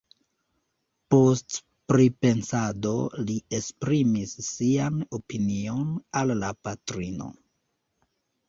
Post pripensado li esprimis sian opinion al la patrino.